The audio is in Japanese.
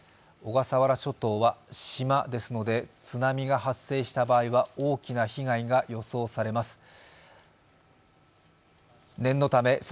小笠原諸島は島ですので、津波が発生した場合は大きな被害が予想されます。